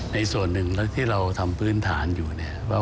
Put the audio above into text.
ในส่วนหนึ่งแล้วที่เราทำพื้นฐานอยู่เนี่ย